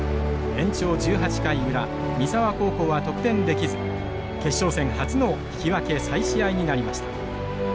延長１８回裏三沢高校は得点できず決勝戦初の引き分け再試合になりました。